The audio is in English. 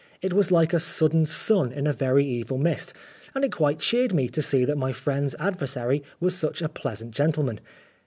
It was like a sudden sun in a very evil mist, and it quite cheered me to see that my friend's adversary was such a pleasant gentleman.